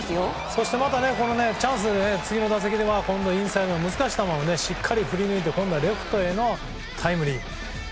そして、またチャンスで次の打席では今度、インサイドの難しい球をしっかり振り抜いて今度はレフトへのタイムリー。